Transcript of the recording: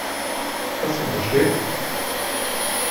Kas viņš ir?